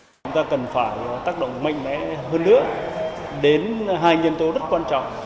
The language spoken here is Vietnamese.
chúng ta cần phải tác động mạnh mẽ hơn nữa đến hai nhân tố rất quan trọng